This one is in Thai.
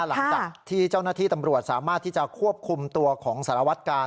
หลังจากที่เจ้าหน้าที่ตำรวจสามารถที่จะควบคุมตัวของสารวัตกาล